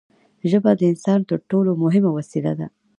ژبه د انسان تر ټولو مهمه وسیله ده.